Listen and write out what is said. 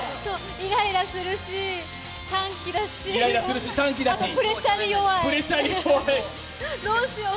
イライラするし、短期だし、あとプレッシャーに弱い、どうしよう。